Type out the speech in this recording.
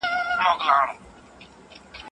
میرویس ته د دربار له لوري راز راز وعدې ورکړل شوې.